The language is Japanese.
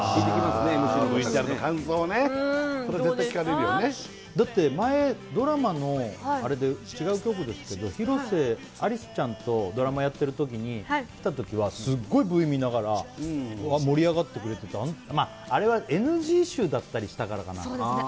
ってだって前ドラマのあれで違う局ですけど広瀬アリスちゃんとドラマやってる時に来た時はすっごいＶ見ながら盛り上がってくれててまああれはＮＧ集だったりしたからかなそうですね